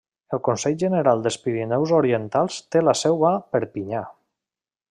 El Consell General dels Pirineus Orientals té la seu a Perpinyà.